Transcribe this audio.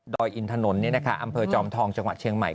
โดยอินทนนั้นนะคะอำเภอจอมทองจังหวัดเชียงใหม่